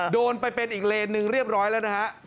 โดนไปเป็นอีกเลนหนึ่งเรียบร้อยแล้วนะฮะ